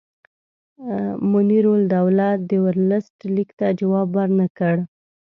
منیرالدوله د ورلسټ لیک ته جواب ورنه کړ.